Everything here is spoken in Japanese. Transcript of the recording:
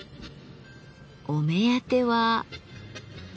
お目当ては。